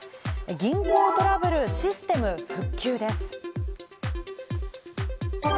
銀行トラブル、システム復旧です。